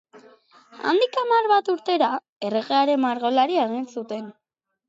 Handik hamar bat urtera, erregearen margolari egin zuten.